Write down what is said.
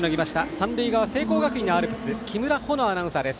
三塁側、聖光学院のアルプス木村穂乃アナウンサーです。